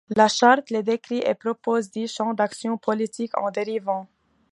La charte les décrit et propose dix champs d'action politique en dérivant.